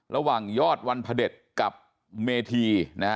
ระหว่างยอดวันพระเด็จกับเมธี